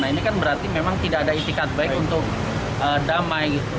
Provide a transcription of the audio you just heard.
nah ini kan berarti memang tidak ada itikat baik untuk damai gitu